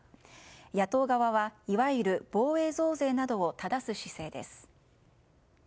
野党側はいわゆる防衛増税などをただす姿勢です。